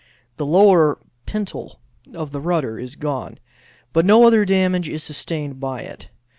The lower pintle of the rudder is gone, but no other damage is sustained by it.